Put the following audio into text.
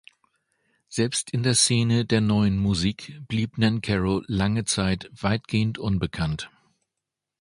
Selbst in der Szene der Neuen Musik blieb Nancarrow lange Zeit weitgehend unbekannt.